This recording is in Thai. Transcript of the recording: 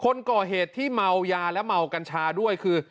คนก่อเหตุที่เมายาและเมากัญชาด้วยคือ